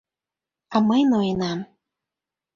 А мый ноенам.